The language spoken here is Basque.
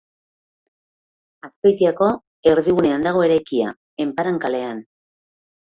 Azpeitiako erdigunean dago eraikia, Enparan kalean.